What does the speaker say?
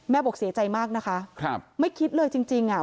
บอกเสียใจมากนะคะครับไม่คิดเลยจริงจริงอ่ะ